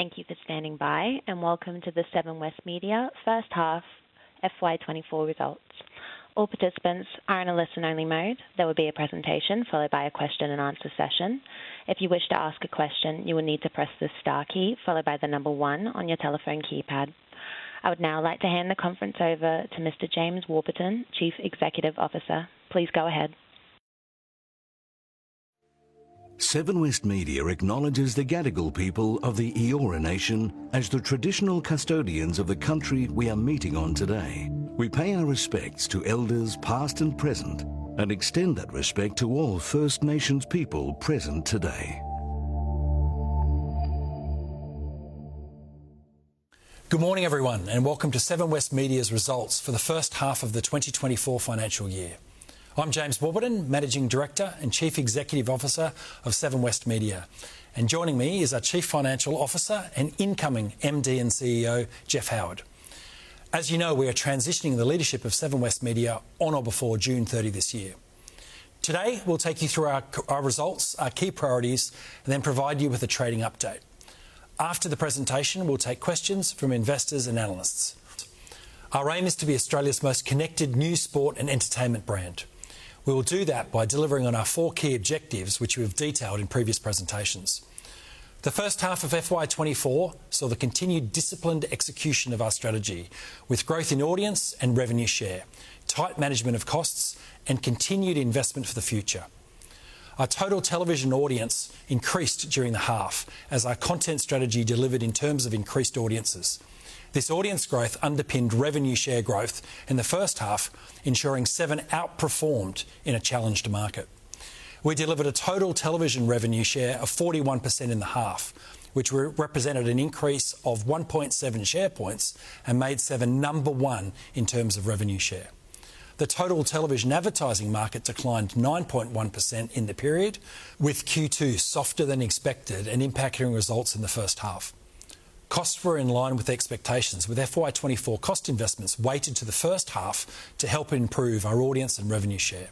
Thank you for standing by, and welcome to the Seven West Media first half FY24 results. All participants are in a listen-only mode. There will be a presentation followed by a question-and-answer session. If you wish to ask a question, you will need to press the star key followed by the number one on your telephone keypad. I would now like to hand the conference over to Mr. James Warburton, Chief Executive Officer. Please go ahead. Seven West Media acknowledges the Gadigal people of the Eora Nation as the traditional custodians of the country we are meeting on today. We pay our respects to elders past and present and extend that respect to all First Nations people present today. Good morning, everyone, and welcome to Seven West Media's results for the first half of the 2024 financial year. I'm James Warburton, Managing Director and Chief Executive Officer of Seven West Media, and joining me is our Chief Financial Officer and incoming MD and CEO, Jeff Howard. As you know, we are transitioning the leadership of Seven West Media on or before June 30 this year. Today, we'll take you through our results, our key priorities, and then provide you with a trading update. After the presentation, we'll take questions from investors and analysts. Our aim is to be Australia's most connected new sport and entertainment brand. We will do that by delivering on our four key objectives, which we have detailed in previous presentations. The first half of FY2024 saw the continued disciplined execution of our strategy with growth in audience and revenue share, tight management of costs, and continued investment for the future. Our total television audience increased during the half as our content strategy delivered in terms of increased audiences. This audience growth underpinned revenue share growth in the first half, ensuring Seven outperformed in a challenged market. We delivered a total television revenue share of 41% in the half, which represented an increase of 1.7 share points and made Seven number one in terms of revenue share. The total television advertising market declined 9.1% in the period, with Q2 softer than expected and impacting results in the first half. Costs were in line with expectations, with FY2024 cost investments weighted to the first half to help improve our audience and revenue share.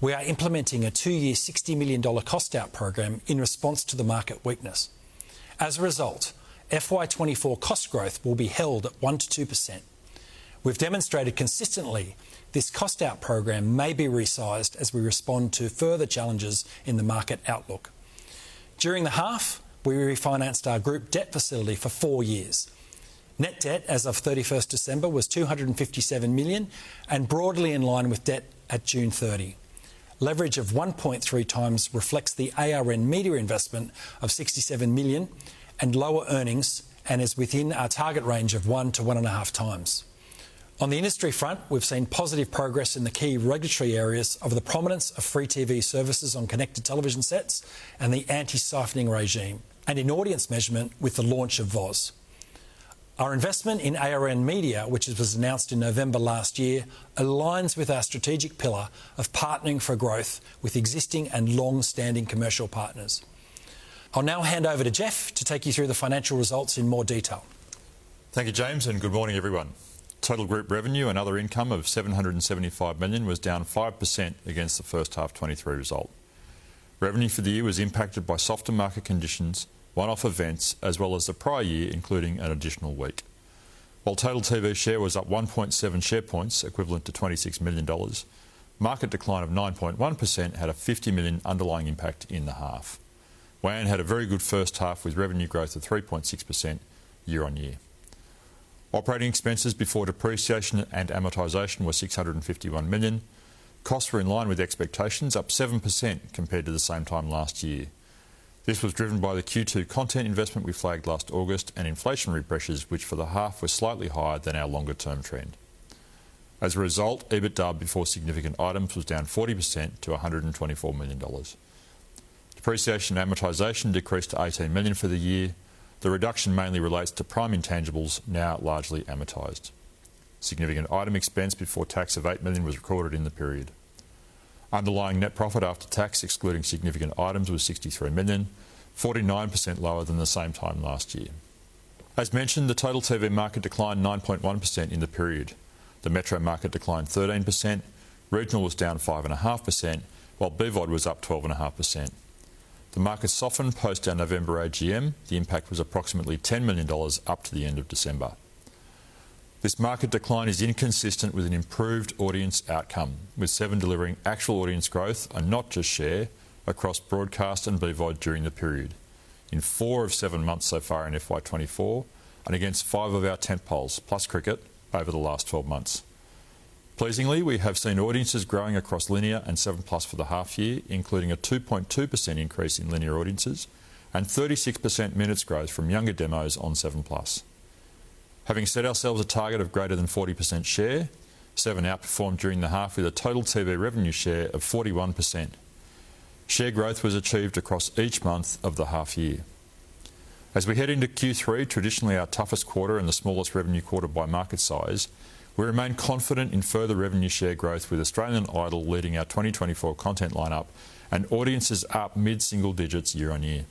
We are implementing a two-year 60 million dollar cost-out program in response to the market weakness. As a result, FY24 cost growth will be held at 1%-2%. We've demonstrated consistently this cost-out program may be resized as we respond to further challenges in the market outlook. During the half, we refinanced our group debt facility for four years. Net debt as of 31st December was 257 million, and broadly in line with debt at June 30. Leverage of 1.3 times reflects the ARN Media investment of 67 million and lower earnings, and is within our target range of 1-1.5 times. On the industry front, we've seen positive progress in the key regulatory areas of the prominence of free TV services on connected television sets and the anti-siphoning regime, and in audience measurement with the launch of VOZ. Our investment in ARN Media, which was announced in November last year, aligns with our strategic pillar of partnering for growth with existing and longstanding commercial partners. I'll now hand over to Jeff to take you through the financial results in more detail. Thank you, James, and good morning, everyone. Total group revenue and other income of 775 million was down 5% against the first half 2023 result. Revenue for the year was impacted by softer market conditions, one-off events, as well as the prior year, including an additional week. While total TV share was up 1.7 share points, equivalent to 26 million dollars, market decline of 9.1% had a 50 million underlying impact in the half. WAN had a very good first half with revenue growth of 3.6% year-over-year. Operating expenses before depreciation and amortization were 651 million. Costs were in line with expectations, up 7% compared to the same time last year. This was driven by the Q2 content investment we flagged last August and inflationary pressures, which for the half were slightly higher than our longer-term trend. As a result, EBITDA before significant items was down 40% to 124 million dollars. Depreciation and amortization decreased to 18 million for the year. The reduction mainly relates to prime intangibles, now largely amortized. Significant item expense before tax of 8 million was recorded in the period. Underlying net profit after tax, excluding significant items, was 63 million, 49% lower than the same time last year. As mentioned, the total TV market declined 9.1% in the period. The metro market declined 13%. Regional was down 5.5%, while BVOD was up 12.5%. The market softened post our November AGM. The impact was approximately 10 million dollars up to the end of December. This market decline is inconsistent with an improved audience outcome, with Seven delivering actual audience growth and not just share across broadcast and BVOD during the period, in four of seven months so far in FY24, and against five of our tentpoles plus cricket over the last 12 months. Pleasingly, we have seen audiences growing across linear and 7plus for the half year, including a 2.2% increase in linear audiences and 36% minutes growth from younger demos on 7plus. Having set ourselves a target of greater than 40% share, Seven outperformed during the half with a total TV revenue share of 41%. Share growth was achieved across each month of the half year. As we head into Q3, traditionally our toughest quarter and the smallest revenue quarter by market size, we remain confident in further revenue share growth with Australian Idol leading our 2024 content lineup and audiences up mid-single digits year-on-year.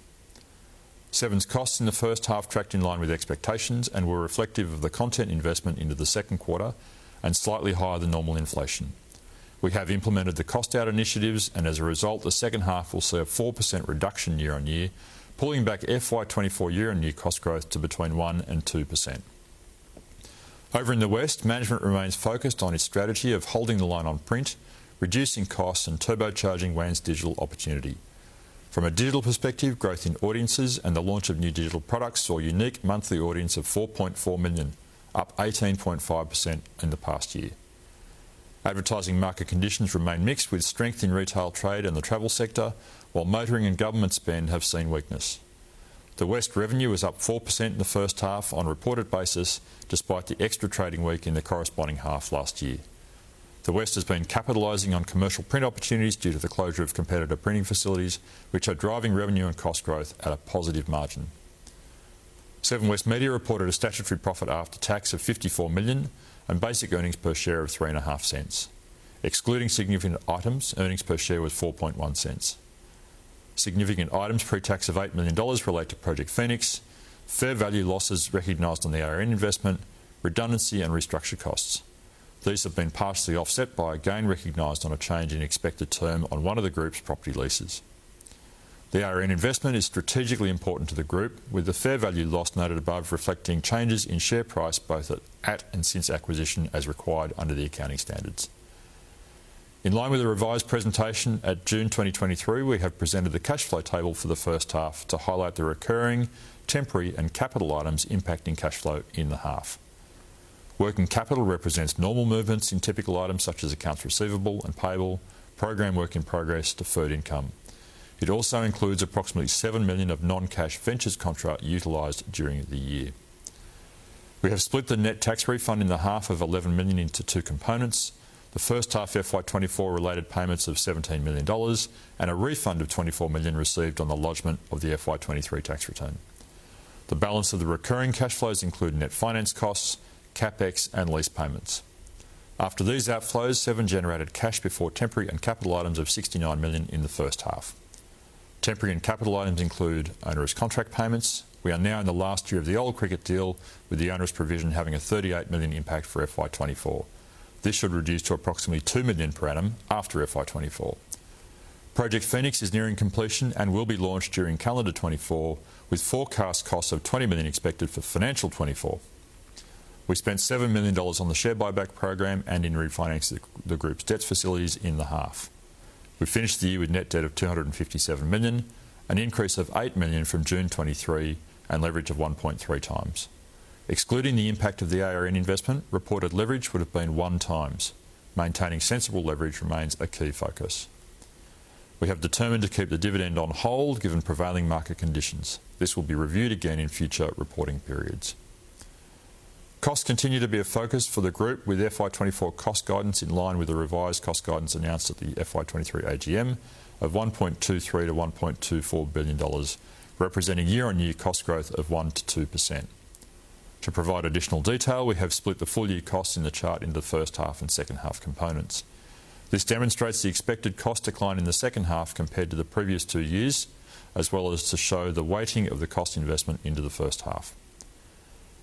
Seven's costs in the first half tracked in line with expectations and were reflective of the content investment into the second quarter and slightly higher than normal inflation. We have implemented the cost-out initiatives, and as a result, the second half will see a 4% reduction year-on-year, pulling back FY2024 year-on-year cost growth to between 1% and 2%. Over in the West, management remains focused on its strategy of holding the line on print, reducing costs, and turbocharging WAN's digital opportunity. From a digital perspective, growth in audiences and the launch of new digital products saw a unique monthly audience of 4.4 million, up 18.5% in the past year. Advertising market conditions remain mixed, with strength in retail trade and the travel sector, while motoring and government spend have seen weakness. The West's revenue was up 4% in the first half on reported basis, despite the extra trading week in the corresponding half last year. The West has been capitalizing on commercial print opportunities due to the closure of competitor printing facilities, which are driving revenue and cost growth at a positive margin. Seven West Media reported a statutory profit after tax of AUD 54 million and basic earnings per share of 0.035. Excluding significant items, earnings per share was 0.041. Significant items pre-tax of AUD 8 million relate to Project Phoenix, fair value losses recognized on the ARN investment, redundancy, and restructure costs. These have been partially offset by a gain recognized on a change in expected term on one of the group's property leases. The ARN investment is strategically important to the group, with the fair value loss noted above reflecting changes in share price both at and since acquisition as required under the accounting standards. In line with the revised presentation at June 2023, we have presented the cash flow table for the first half to highlight the recurring, temporary, and capital items impacting cash flow in the half. Working capital represents normal movements in typical items such as accounts receivable and payable, program work in progress, deferred income. It also includes approximately 7 million of non-cash vendor contract utilized during the year. We have split the net tax refund in the half of 11 million into two components, the first half FY24 related payments of 17 million dollars, and a refund of 24 million received on the lodgment of the FY23 tax return. The balance of the recurring cash flows include net finance costs, CapEx, and lease payments. After these outflows, Seven generated cash before temporary and capital items of 69 million in the first half. Temporary and capital items include onerous contract payments. We are now in the last year of the old cricket deal, with the onerous provision having a 38 million impact for FY24. This should reduce to approximately 2 million per annum after FY24. Project Phoenix is nearing completion and will be launched during calendar 2024, with forecast costs of 20 million expected for financial 2024. We spent 7 million dollars on the share buyback program and in refinancing the group's debt facilities in the half. We finished the year with net debt of 257 million, an increase of 8 million from June 2023, and leverage of 1.3x. Excluding the impact of the ARN investment, reported leverage would have been 1x. Maintaining sensible leverage remains a key focus. We have determined to keep the dividend on hold given prevailing market conditions. This will be reviewed again in future reporting periods. Costs continue to be a focus for the group, with FY24 cost guidance in line with the revised cost guidance announced at the FY23 AGM of 1.23 billion-1.24 billion dollars, representing year-on-year cost growth of 1%-2%. To provide additional detail, we have split the full year costs in the chart into the first half and second half components. This demonstrates the expected cost decline in the second half compared to the previous two years, as well as to show the weighting of the cost investment into the first half.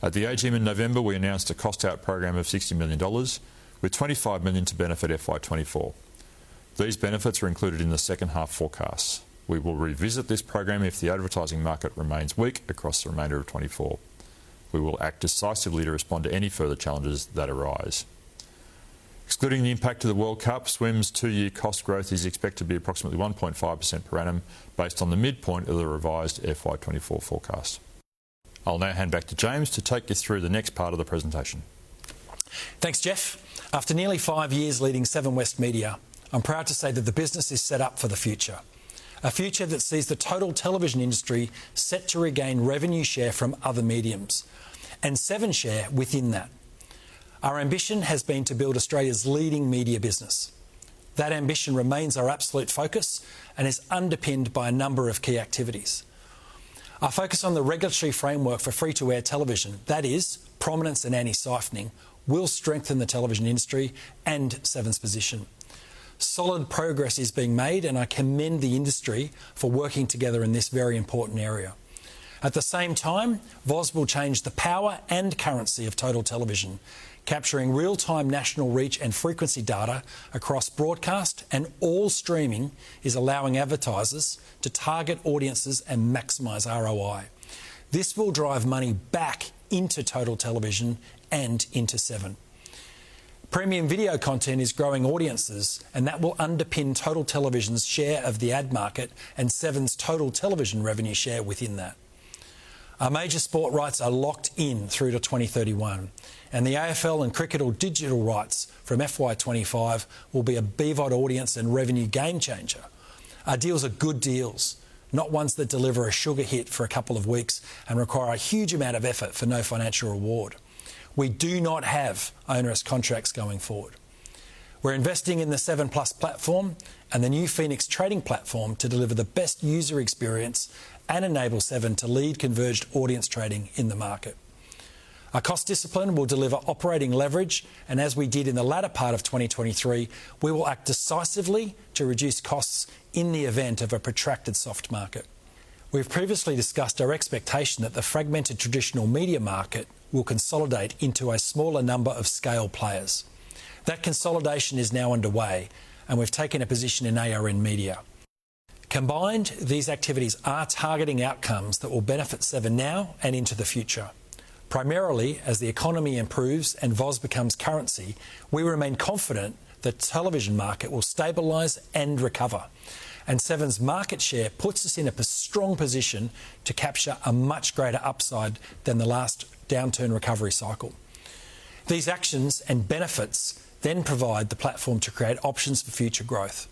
At the AGM in November, we announced a cost-out program of 60 million dollars, with 25 million to benefit FY24. These benefits are included in the second half forecasts. We will revisit this program if the advertising market remains weak across the remainder of 2024. We will act decisively to respond to any further challenges that arise. Excluding the impact to the World Cup, SWIM's two-year cost growth is expected to be approximately 1.5% per annum based on the midpoint of the revised FY24 forecast. I'll now hand back to James to take you through the next part of the presentation. Thanks, Jeff. After nearly five years leading Seven West Media, I'm proud to say that the business is set up for the future. A future that sees the total television industry set to regain revenue share from other media, and Seven share within that. Our ambition has been to build Australia's leading media business. That ambition remains our absolute focus and is underpinned by a number of key activities. Our focus on the regulatory framework for free-to-air television, that is, prominence and anti-siphoning, will strengthen the television industry and Seven's position. Solid progress is being made, and I commend the industry for working together in this very important area. At the same time, VOZ will change the power and currency of total television. Capturing real-time national reach and frequency data across broadcast and all streaming is allowing advertisers to target audiences and maximize ROI. This will drive money back into total television and into Seven. Premium video content is growing audiences, and that will underpin total television's share of the ad market and Seven's total television revenue share within that. Our major sport rights are locked in through to 2031, and the AFL and Cricket All Digital rights from FY25 will be a BVOD audience and revenue game-changer. Our deals are good deals, not ones that deliver a sugar hit for a couple of weeks and require a huge amount of effort for no financial reward. We do not have onerous contracts going forward. We're investing in the 7plus platform and the new Phoenix trading platform to deliver the best user experience and enable Seven to lead converged audience trading in the market. Our cost discipline will deliver operating leverage, and as we did in the latter part of 2023, we will act decisively to reduce costs in the event of a protracted soft market. We've previously discussed our expectation that the fragmented traditional media market will consolidate into a smaller number of scale players. That consolidation is now underway, and we've taken a position in ARN Media. Combined, these activities are targeting outcomes that will benefit Seven now and into the future. Primarily, as the economy improves and VOZ becomes currency, we remain confident that the television market will stabilize and recover, and Seven's market share puts us in a strong position to capture a much greater upside than the last downturn recovery cycle. These actions and benefits then provide the platform to create options for future growth.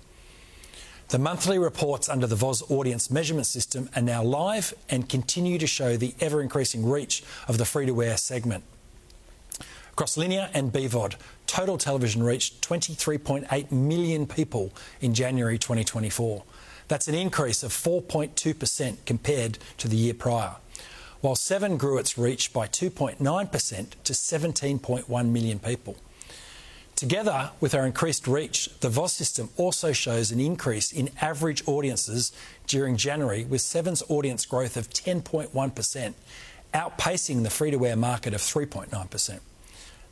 The monthly reports under the VOZ audience measurement system are now live and continue to show the ever-increasing reach of the free-to-air segment. Across linear and BVOD, total television reached 23.8 million people in January 2024. That's an increase of 4.2% compared to the year prior, while Seven grew its reach by 2.9% to 17.1 million people. Together with our increased reach, the VOZ system also shows an increase in average audiences during January, with Seven's audience growth of 10.1%, outpacing the free-to-air market of 3.9%.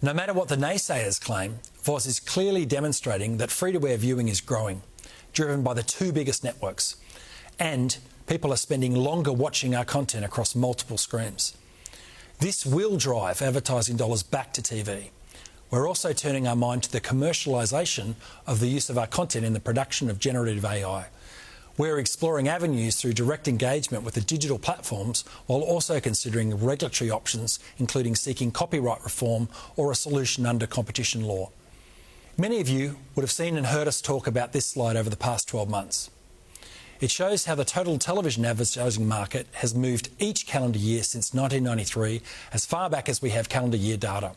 No matter what the naysayers claim, VOZ is clearly demonstrating that free-to-air viewing is growing, driven by the two biggest networks, and people are spending longer watching our content across multiple screens. This will drive advertising dollars back to TV. We're also turning our mind to the commercialization of the use of our content in the production of generative AI. We're exploring avenues through direct engagement with the digital platforms while also considering regulatory options, including seeking copyright reform or a solution under competition law. Many of you would have seen and heard us talk about this slide over the past 12 months. It shows how the total television advertising market has moved each calendar year since 1993 as far back as we have calendar year data.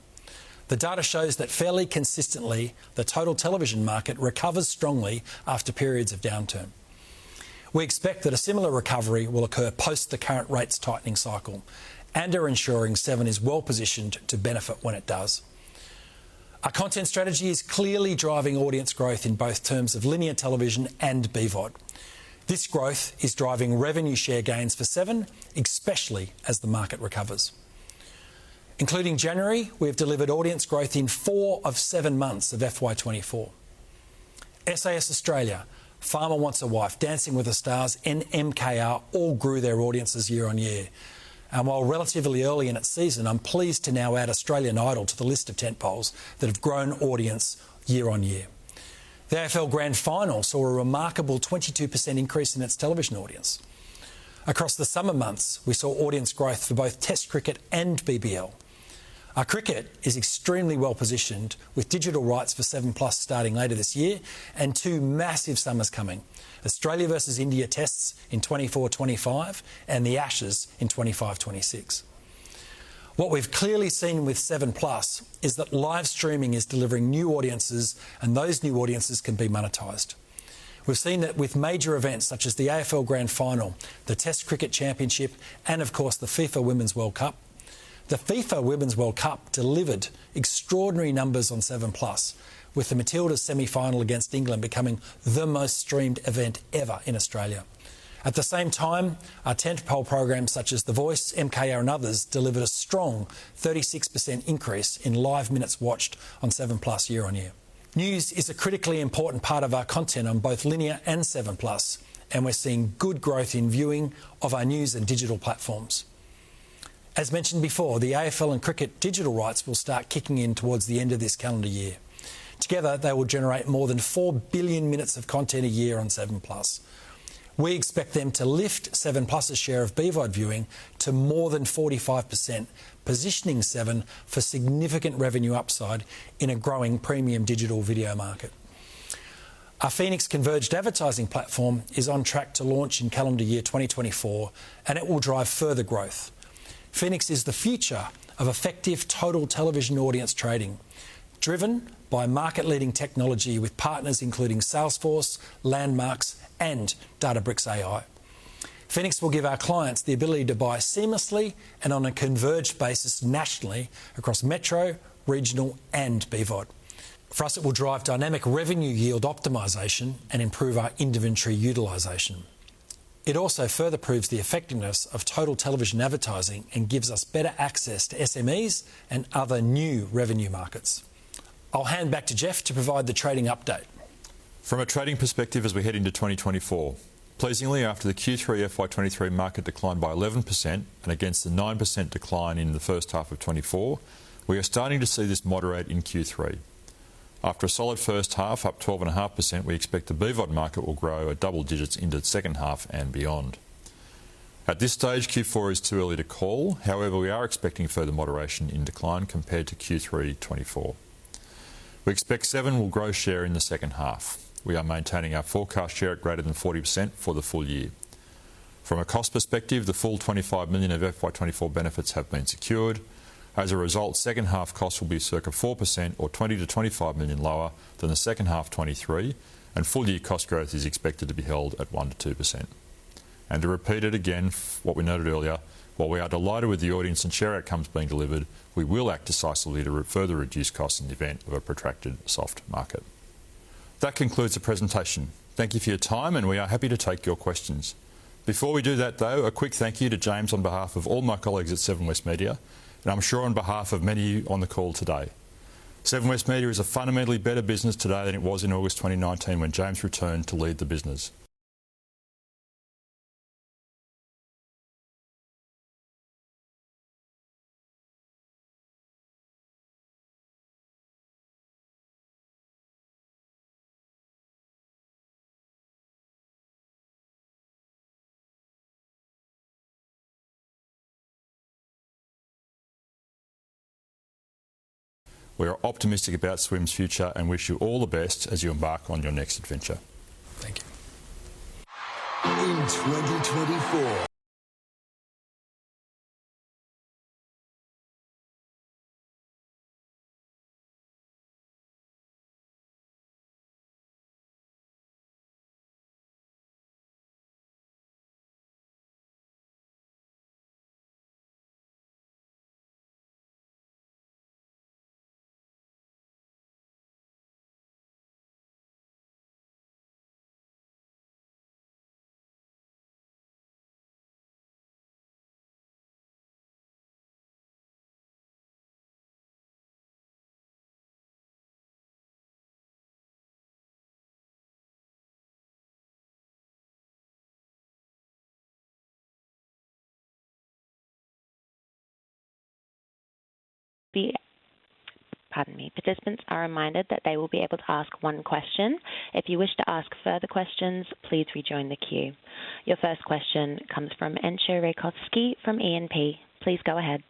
The data shows that fairly consistently, the total television market recovers strongly after periods of downturn. We expect that a similar recovery will occur post the current rates tightening cycle and are ensuring Seven is well-positioned to benefit when it does. Our content strategy is clearly driving audience growth in both terms of linear television and BVOD. This growth is driving revenue share gains for Seven, especially as the market recovers. Including January, we have delivered audience growth in four of seven months of FY24. SAS Australia, Farmer Wants a Wife, Dancing With the Stars, and MKR all grew their audiences year-on-year. While relatively early in its season, I'm pleased to now add Australian Idol to the list of tentpoles that have grown audience year-on-year. The AFL Grand Final saw a remarkable 22% increase in its television audience. Across the summer months, we saw audience growth for both Test Cricket and BBL. Our cricket is extremely well-positioned, with digital rights for 7plus starting later this year and two massive summers coming: Australia versus India Tests in 2024/2025 and the Ashes in 2025/2026. What we've clearly seen with 7plus is that live streaming is delivering new audiences, and those new audiences can be monetized. We've seen that with major events such as the AFL Grand Final, the Test Cricket Championship, and, of course, the FIFA Women's World Cup, the FIFA Women's World Cup delivered extraordinary numbers on 7plus, with the Matildas semifinal against England becoming the most streamed event ever in Australia. At the same time, our tentpole programs such as The Voice, MKR, and others delivered a strong 36% increase in live minutes watched on 7plus year-on-year. News is a critically important part of our content on both linear and 7plus, and we're seeing good growth in viewing of our news and digital platforms. As mentioned before, the AFL and cricket digital rights will start kicking in towards the end of this calendar year. Together, they will generate more than 4 billion minutes of content a year on 7plus. We expect them to lift 7plus's share of BVOD viewing to more than 45%, positioning Seven for significant revenue upside in a growing premium digital video market. Our Phoenix converged advertising platform is on track to launch in calendar year 2024, and it will drive further growth. Phoenix is the future of effective total television audience trading, driven by market-leading technology with partners including Salesforce, LiveRamp, and Databricks. Phoenix will give our clients the ability to buy seamlessly and on a converged basis nationally across metro, regional, and BVOD. For us, it will drive dynamic revenue yield optimization and improve our inventory utilization. It also further proves the effectiveness of total television advertising and gives us better access to SMEs and other new revenue markets. I'll hand back to Jeff to provide the trading update. From a trading perspective, as we head into 2024, pleasingly, after the Q3 FY23 market declined by 11% and against the 9% decline in the first half of 2024, we are starting to see this moderate in Q3. After a solid first half up 12.5%, we expect the BVOD market will grow a double digits into the second half and beyond. At this stage, Q4 is too early to call; however, we are expecting further moderation in decline compared to Q3 2024. We expect Seven will grow share in the second half. We are maintaining our forecast share at greater than 40% for the full year. From a cost perspective, the full 25 million of FY24 benefits have been secured. As a result, second half costs will be circa 4% or 20 million-25 million lower than the second half 2023, and full year cost growth is expected to be held at 1%-2%. To repeat it again, what we noted earlier, while we are delighted with the audience and share outcomes being delivered, we will act decisively to further reduce costs in the event of a protracted soft market. That concludes the presentation. Thank you for your time, and we are happy to take your questions. Before we do that, though, a quick thank you to James on behalf of all my colleagues at Seven West Media, and I'm sure on behalf of many on the call today. Seven West Media is a fundamentally better business today than it was in August 2019 when James returned to lead the business. We are optimistic about SWIM's future and wish you all the best as you embark on your next adventure. Thank you. In 2024. Pardon me. Participants are reminded that they will be able to ask one question. If you wish to ask further questions, please rejoin the queue. Your first question comes from Entcho Raykovski from E&P. Please go ahead.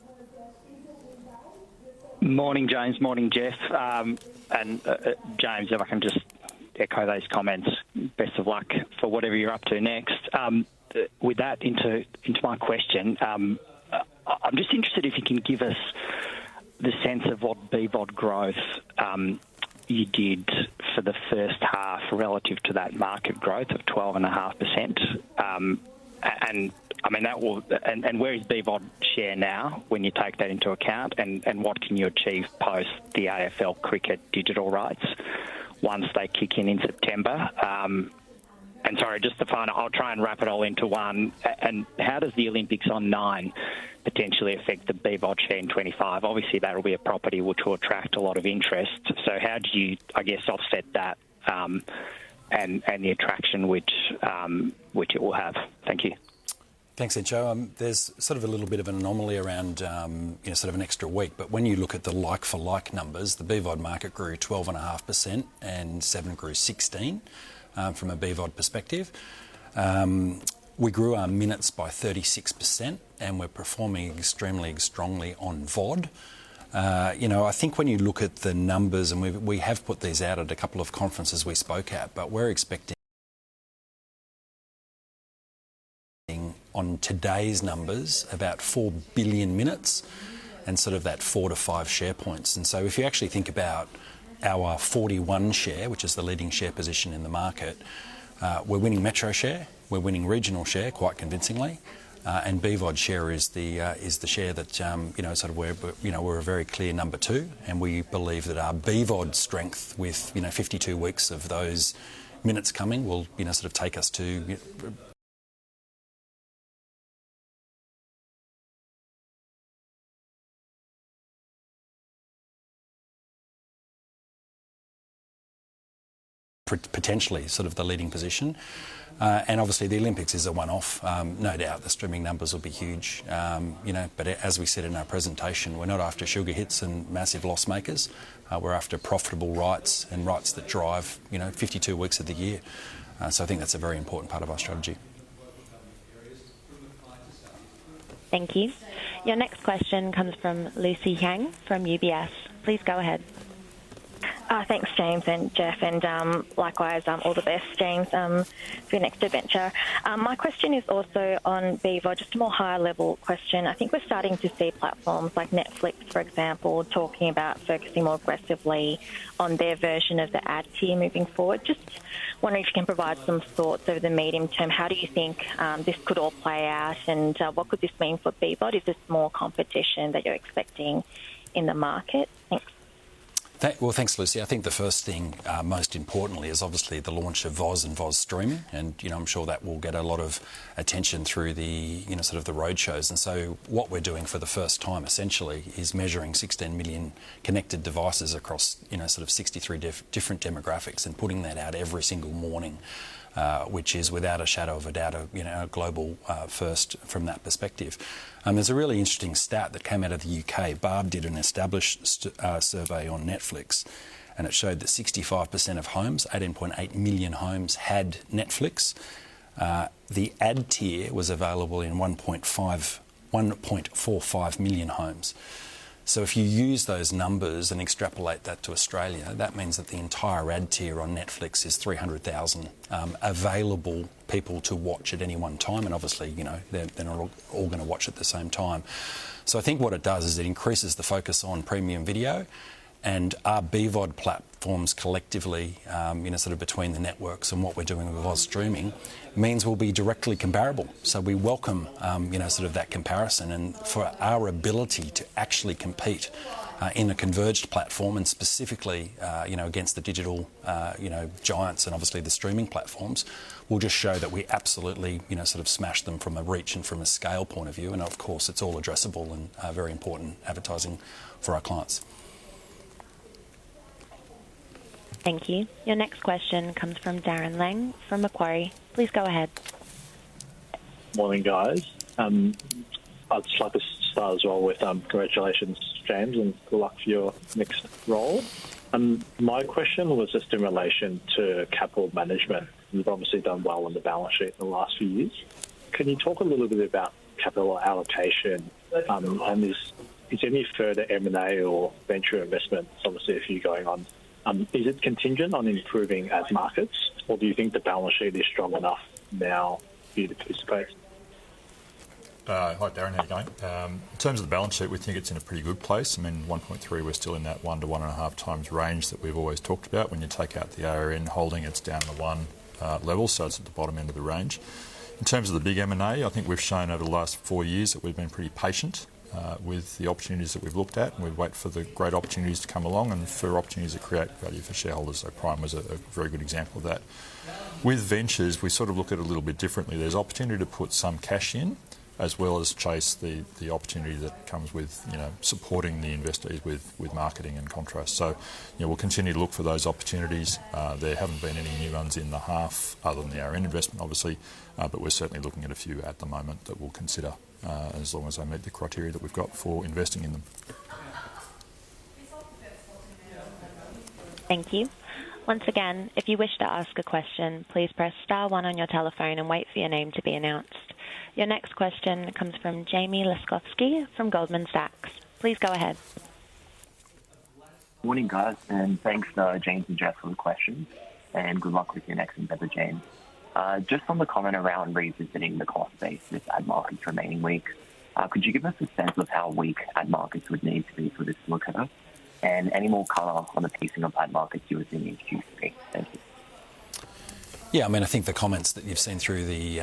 Good morning, Jeff. Evening guys. Good. Morning, James. Morning, Jeff. And James, if I can just echo those comments, best of luck for whatever you're up to next. With that, into my question, I'm just interested if you can give us the sense of what BVOD growth you did for the first half relative to that market growth of 12.5%. And where is BVOD share now when you take that into account, and what can you achieve post the AFL cricket digital rights once they kick in in September? And sorry, just to finish, I'll try and wrap it all into one. And how does the Olympics on 9 potentially affect the BVOD share in 2025? Obviously, that'll be a property which will attract a lot of interest. So how do you, I guess, offset that and the attraction which it will have? Thank you. Thanks, Entcho. There's sort of a little bit of an anomaly around sort of an extra week. But when you look at the like-for-like numbers, the BVOD market grew 12.5% and Seven grew 16% from a BVOD perspective. We grew our minutes by 36%, and we're performing extremely strongly on VOD. I think when you look at the numbers and we have put these out at a couple of conferences we spoke at, but we're expecting on today's numbers about 4 billion minutes and sort of that 4-5 share points. And so if you actually think about our 41% share, which is the leading share position in the market, we're winning metro share. We're winning regional share quite convincingly. And BVOD share is the share that sort of where we're a very clear number two. We believe that our BVOD strength with 52 weeks of those minutes coming will sort of take us to potentially sort of the leading position. And obviously, the Olympics is a one-off. No doubt the streaming numbers will be huge. But as we said in our presentation, we're not after sugar hits and massive loss makers. We're after profitable rights and rights that drive 52 weeks of the year. So I think that's a very important part of our strategy. Thank you. Your next question comes from Lucy Huang from UBS. Please go ahead. Thanks, James and Jeff. And likewise, all the best, James, for your next adventure. My question is also on BVOD, just a more higher-level question. I think we're starting to see platforms like Netflix, for example, talking about focusing more aggressively on their version of the ad tier moving forward. Just wondering if you can provide some thoughts over the medium term. How do you think this could all play out, and what could this mean for BVOD? Is this more competition that you're expecting in the market? Thanks. Well, thanks, Lucy. I think the first thing, most importantly, is obviously the launch of VOZ and VOZ streaming. And I'm sure that will get a lot of attention through sort of the roadshows. And so what we're doing for the first time, essentially, is measuring 16 million connected devices across sort of 63 different demographics and putting that out every single morning, which is without a shadow of a doubt a global first from that perspective. And there's a really interesting stat that came out of the UK. BARB did an established survey on Netflix, and it showed that 65% of homes, 18.8 million homes, had Netflix. The ad tier was available in 1.45 million homes. So if you use those numbers and extrapolate that to Australia, that means that the entire ad tier on Netflix is 300,000 available people to watch at any one time. And obviously, they're not all going to watch at the same time. So I think what it does is it increases the focus on premium video. And our BVOD platforms collectively, sort of between the networks and what we're doing with VOZ streaming, means we'll be directly comparable. So we welcome sort of that comparison. And for our ability to actually compete in a converged platform and specifically against the digital giants and obviously the streaming platforms, will just show that we absolutely sort of smash them from a reach and from a scale point of view. And of course, it's all addressable and very important advertising for our clients. Thank you. Your next question comes from Darren Leung from Macquarie. Please go ahead. Morning, guys. I'd just like to start as well with congratulations, James, and good luck for your next role. My question was just in relation to capital management. You've obviously done well on the balance sheet in the last few years. Can you talk a little bit about capital allocation and is any further M&A or venture investments, obviously, a few going on, is it contingent on improving as markets, or do you think the balance sheet is strong enough now for you to participate? Hi, Darren. Here we go. In terms of the balance sheet, we think it's in a pretty good place. I mean, 1.3%, we're still in that 1-1.5 times range that we've always talked about. When you take out the ARN holding, it's down to 1 level, so it's at the bottom end of the range. In terms of the big M&A, I think we've shown over the last 4 years that we've been pretty patient with the opportunities that we've looked at. We wait for the great opportunities to come along and for opportunities that create value for shareholders. Prime was a very good example of that. With ventures, we sort of look at it a little bit differently. There's opportunity to put some cash in as well as chase the opportunity that comes with supporting the investors with marketing and contracts. So we'll continue to look for those opportunities. There haven't been any new ones in the half other than the ARN investment, obviously. But we're certainly looking at a few at the moment that we'll consider as long as they meet the criteria that we've got for investing in them. Thank you. Once again, if you wish to ask a question, please press star one on your telephone and wait for your name to be announced. Your next question comes from Jamie Liskowski from Goldman Sachs. Please go ahead. Morning, guys. Thanks, James and Jeff, for the questions. Good luck with your next endeavor, James. Just on the comment around revisiting the cost base, this ad market remaining weak, could you give us a sense of how weak ad markets would need to be for this lookover and any more color on the pacing of ad markets you were seeing in Q3? Thank you. Yeah. I mean, I think the comments that you've seen through the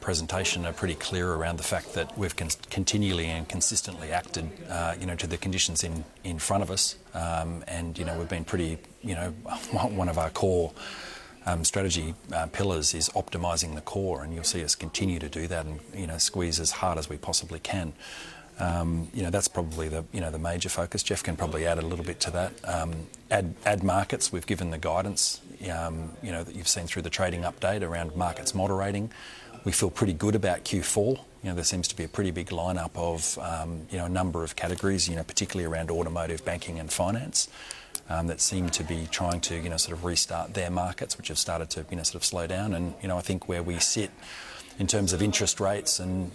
presentation are pretty clear around the fact that we've continually and consistently acted to the conditions in front of us. And we've been pretty one of our core strategy pillars is optimizing the core. And you'll see us continue to do that and squeeze as hard as we possibly can. That's probably the major focus. Jeff can probably add a little bit to that. Ad markets, we've given the guidance that you've seen through the trading update around markets moderating. We feel pretty good about Q4. There seems to be a pretty big lineup of a number of categories, particularly around automotive, banking, and finance, that seem to be trying to sort of restart their markets, which have started to sort of slow down. I think where we sit in terms of interest rates and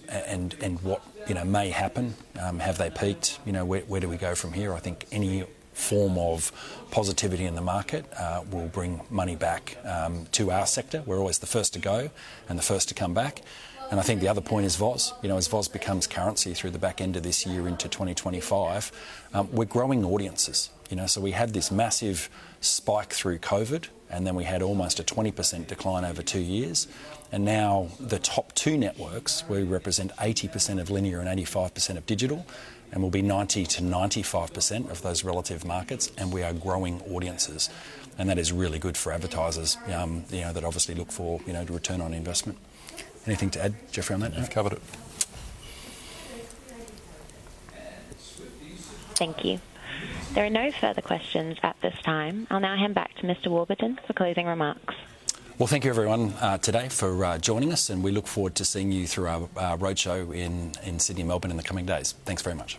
what may happen, have they peaked, where do we go from here, I think any form of positivity in the market will bring money back to our sector. We're always the first to go and the first to come back. And I think the other point is VOZ. As VOZ becomes currency through the back end of this year into 2025, we're growing audiences. So we had this massive spike through COVID, and then we had almost a 20% decline over two years. And now the top two networks, we represent 80% of linear and 85% of digital. And we'll be 90%-95% of those relative markets. And we are growing audiences. And that is really good for advertisers that obviously look for to return on investment. Anything to add, Jeffrey, on that? You've covered it. Thank you. There are no further questions at this time. I'll now hand back to Mr. Warburton for closing remarks. Well, thank you, everyone, today for joining us. We look forward to seeing you through our roadshow in Sydney, Melbourne, in the coming days. Thanks very much.